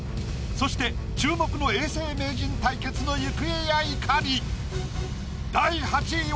そして注目の永世名人対決の行方やいかに？